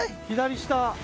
左下。